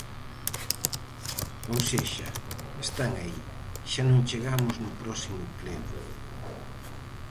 Ou sexa, están aí; xa non chegamos no próximo pleno.